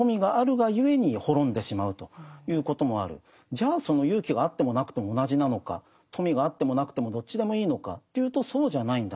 じゃあその勇気があってもなくても同じなのか富があってもなくてもどっちでもいいのかというとそうじゃないんだと。